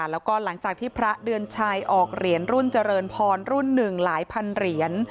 แล้วก็หลังจากที่พระเดือนชัยออกเหรียญรุ่นเจริญพรรุ่นหนึ่งหลายพันเหรียญ